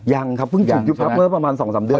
ยังครับเพิ่งถูกยุบพักเมื่อประมาณ๒๓เดือน